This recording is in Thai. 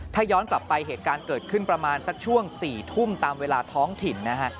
ถ้าย้อนกลับไปเหตุการณ์เกิดขึ้นประมาณสักช่วง๔ทุ่มตามเวลาท้องถิ่นนะฮะ